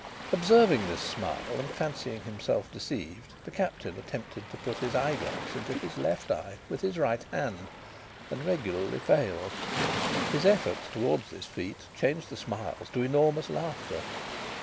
Observing this smile, and fancying himself deceived, the Captain attempted to put his eyeglass into his left eye with his right hand, and regularly failed. His efforts towards this feat changed the smiles to enormous laughter.